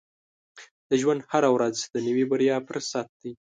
• د ژوند هره ورځ د نوې بریا فرصت دی.